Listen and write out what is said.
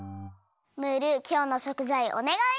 ムールきょうのしょくざいおねがい！